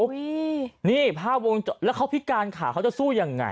นี่ภาพวงจรแล้วเขาพิการขาเขาจะสู้ยังไง